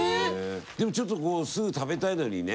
でもちょっとすぐ食べたいのにね